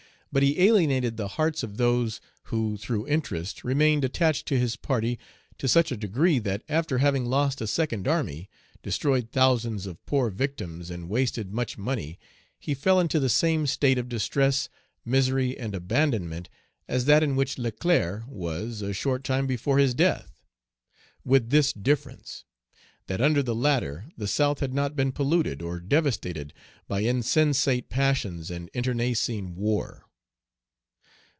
But he alienated the hearts of those who through interest remained attached to his party to such a degree that, after having lost a second army, destroyed thousands of poor victims, and wasted much money, he fell into the same state of distress, misery, and abandonment as that in which Leclerc was a short time before his death; with this difference, that under the latter the South had not been polluted or devastated by insensate passions and internecine war.